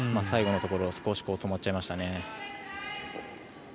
最後のところ、少し止まっちゃいました。